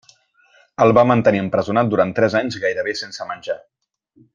El va mantenir empresonat durant tres anys gairebé sense menjar.